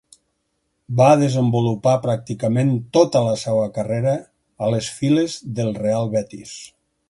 Va desenvolupar pràcticament tota la seua carrera a les files del Real Betis.